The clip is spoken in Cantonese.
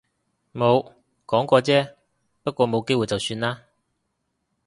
冇，講過啫。不過冇機會就算喇